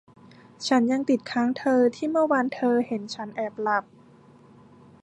ฉันยังติดค้างเธอที่เมื่อวานเธอเห็นฉันแอบหลับ